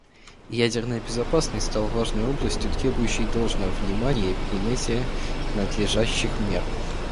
Ядерная безопасность стала важной областью, требующей должного внимания и принятия надлежащих мер.